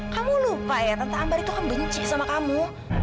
kamu lupa ya tante ambar itu akan benci sama kamu